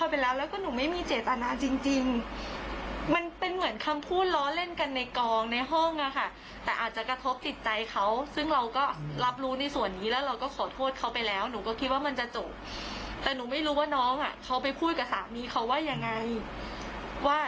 ว่าอยู่ดีมาพูดถึงปืนว่าหนูท้ายิงปืนกับเขาท้าดวนเขา